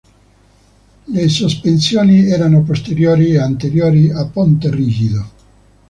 Le sospensioni erano posteriori e anteriori a ponte rigido.